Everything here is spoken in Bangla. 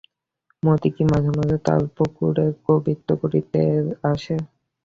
মতি কি মাঝে মাঝে তালপুকুরে কবিত্ব করিতে আসে?